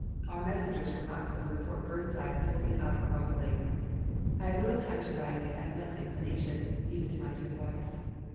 Our messengers from Knoxville report Burnside holding out heroically. I have little time to write and less inclination, even to my dear wife.